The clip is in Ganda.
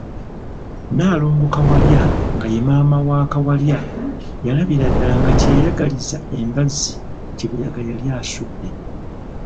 Nnaalongo Kawalya nga ye maama w'akawala yalabira ddala nga kye yagaliza embazzi kibuyaga yali asudde.